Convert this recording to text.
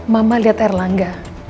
mama liat erlangga